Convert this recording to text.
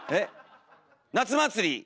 「夏祭り」。